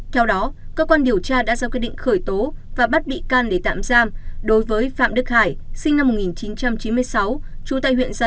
theo đó cơ quan điều tra đã ra quyết định khởi tố và bắt bị can để tạm giam đối với phạm đức hải sinh năm một nghìn chín trăm chín mươi sáu trú tại huyện gia lục phương đình trường sinh năm hai nghìn bốn trú tại huyện tân kỳ